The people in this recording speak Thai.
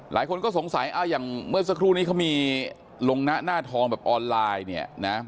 หลายคนก็สงสัยอย่างเมื่อสักครู่นี้เขามีลงนะหน้าทองแบบออนไลน์เนี่ยนะ